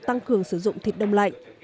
tăng cường sử dụng thịt đông lạnh